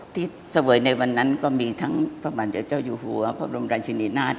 เสวยในวันนั้นก็มีทั้งพระบรรเจ้าอยู่หัวพระบรมราชินีนาฏ